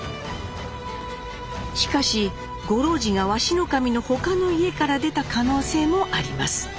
しかし五郎治が鷲神の他の家から出た可能性もあります。